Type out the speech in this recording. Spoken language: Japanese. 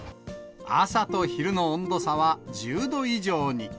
朝と昼の温度差は１０度以上に。